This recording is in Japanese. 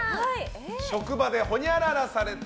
職場でほにゃららされた。